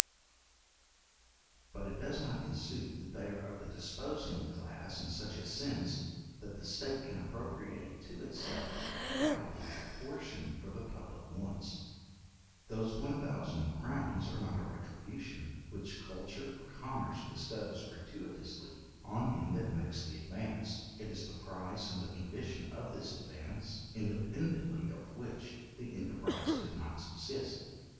But it does not ensue that they are of the disposing class in such a sense, that the state can appropriate to itself with propriety a portion for the public wants. Those 1000 crowns are not a retribution, which culture or commerce bestows gratuitously on him that makes the advance; it is the price and the condition of this advance, independently of which the enterprize could not subsist.